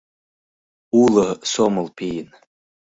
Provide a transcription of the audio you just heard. Уло сомыл пийын.